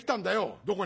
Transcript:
「どこに？」。